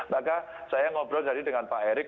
maka saya ngobrol tadi dengan pak erick